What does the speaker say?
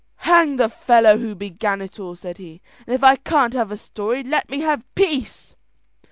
"Hang the fellow who began it all," said he; "and if I can't have a story, let me have peace."